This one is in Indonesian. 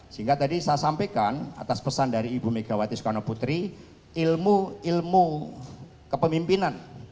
sehingga tadi saya sampaikan atas pesan dari ibu megawati soekarno putri ilmu ilmu kepemimpinan